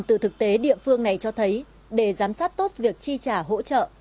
từ thực tế địa phương này cho thấy để giám sát tốt việc chi trả hỗ trợ